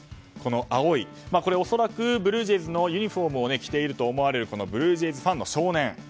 恐らくブルージェイズのユニホームを着ていると思われるブルージェイズファンの少年。